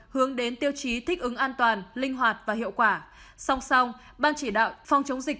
hướng đến tiêu chí thích ứng an toàn linh hoạt và hiệu quả song song ban chỉ đạo phòng chống dịch